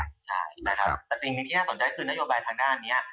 ใช่และสิ่งที่น่าสนใจสุดนโยบายทางหน้านี้